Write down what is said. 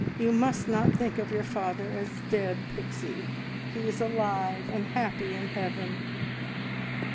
You must not think of your father as dead, Pixie. He is alive and happy in heaven!"